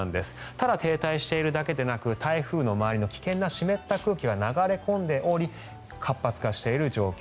ただ停滞しているだけでなく台風の周りの湿った空気が流れ込んできており活発化している状況。